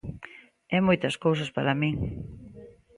É moitas cousas para min.